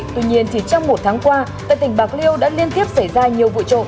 tuy nhiên trong một tháng qua tại tỉnh bạc liêu đã liên tiếp xảy ra nhiều vụ trộm